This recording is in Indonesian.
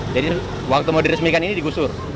jadi waktu mau diresmikan ini digusur